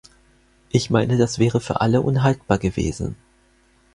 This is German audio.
Ich meine, das wäre für alle unhaltbar gewesen.